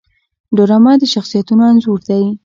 ډرامه د شخصیتونو انځور دی